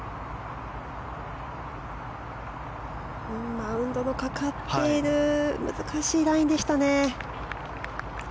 マウンドがかかっている難しいラインでしたね。